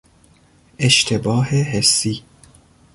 اشتباه حسی